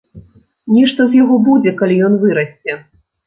Нешта з яго будзе, калі ён вырасце.